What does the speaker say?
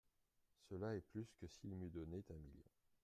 Cela est plus que s'il m'eût donné un million.